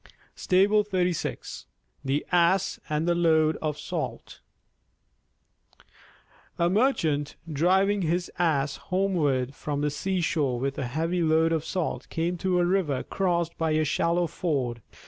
_ THE ASS AND THE LOAD OF SALT A Merchant, driving his Ass homeward from the seashore with a heavy load of salt, came to a river crossed by a shallow ford.